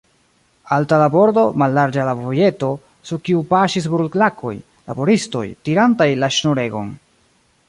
Alta la bordo, mallarĝa la vojeto, sur kiu paŝis burlakoj, laboristoj, tirantaj la ŝnuregon.